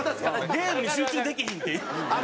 ゲームに集中できひんって。